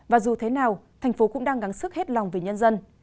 và dù thế nào tp hcm cũng đang gắn sức hết lòng về nhân dân